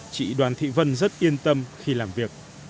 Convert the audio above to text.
chị đoàn thị vân rất yên tâm khi làm việc